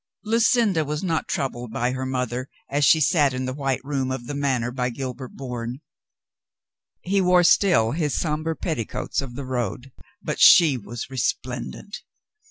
Lucinda was not troubled by her mother as she sat 43 44 COLONEL GREATHEART in the white room of the Manor by Gilbert Bourne. He wore still his somber petticoats of the road, but she was resplendent.